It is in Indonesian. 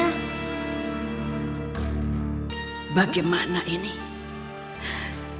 itu udah mulakan mereka